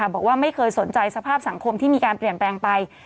บอกว่าไม่เคยสนใจสภาพสังคมที่มีการเปลี่ยนแปลงไป